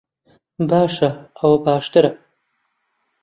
باشە، ئەوە باشترە؟